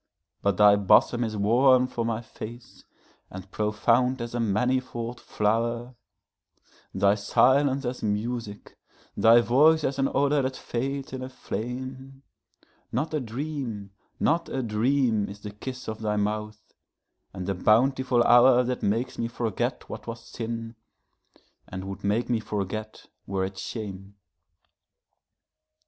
But thy bosom is warm for my face and profound as a manifold flower, Thy silence as music, thy voice as an odor that fades in a flame; Not a dream, not a dream is the kiss of thy mouth, and the bountiful hourThat makes me forget what was sin, and would make me forget were it shame.